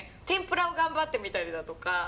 天ぷらを頑張ってみたりだとか。